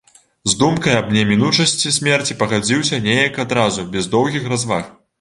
З думкай аб немінучасці смерці пагадзіўся неяк адразу, без доўгіх разваг.